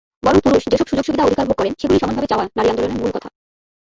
বরং পুরুষ যেসব সুযোগ-সুবিধা-অধিকার ভোগ করেন, সেগুলোই সমানভাবে চাওয়া নারীর আন্দোলনের মূলকথা।